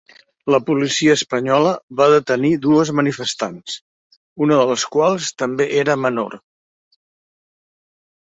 La policia espanyola va detenir dues manifestants, una de les quals també era menor.